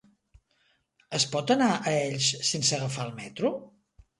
Es pot anar a Elx sense agafar el metro?